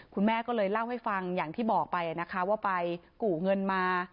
คุณแม่ก็เลยเล่าให้ฟังอย่างที่บอกไปนะคะว่าไปกู่เงินมา